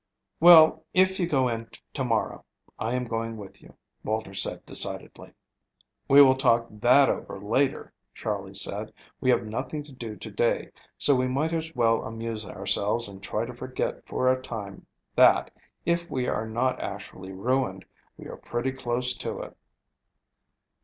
"Well, if you go in to morrow, I am going with you," Walter said decidedly. "We will talk that over later," Charley said. "We have nothing to do to day so we might as well amuse ourselves and try to forget for a time that, if we are not actually ruined, we are pretty close to it."